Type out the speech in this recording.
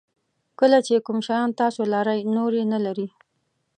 کله چې کوم شیان تاسو لرئ نور یې نه لري.